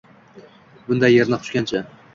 Bunda yerni quchgancha